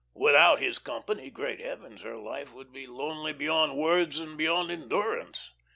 Without his company, great heavens, her life would be lonely beyond words and beyond endurance.